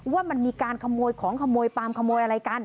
ว่ามันมีการขโมยของขโมยปลามขโมยอะไรกัน